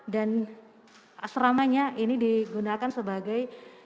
dan asramanya ini digunakan secara berkualitas